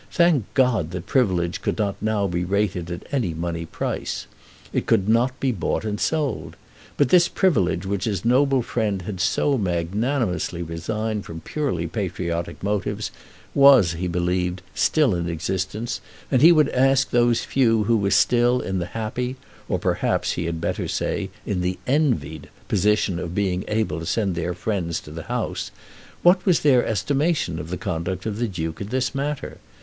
Thank God that privilege could not now be rated at any money price. It could not be bought and sold. But this privilege which his noble friend had so magnanimously resigned from purely patriotic motives, was, he believed, still in existence, and he would ask those few who were still in the happy, or, perhaps, he had better say in the envied, position of being able to send their friends to that House, what was their estimation of the conduct of the Duke in this matter?